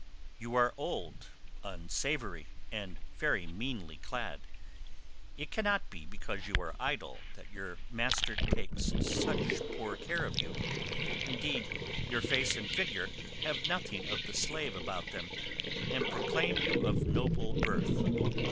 You are old, unsavoury, and very meanly clad. It cannot be because you are idle that your master takes such poor care of you, indeed your face and figure have nothing of the slave about them, and proclaim you of noble birth.